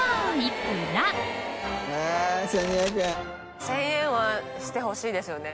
篠田）１０００円はしてほしいですよね。